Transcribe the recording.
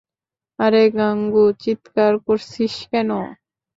আরে গাঙু চিৎকার করছিস কেনো?